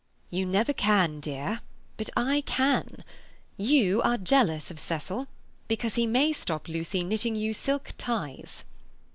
"You never can, dear. But I can. You are jealous of Cecil because he may stop Lucy knitting you silk ties."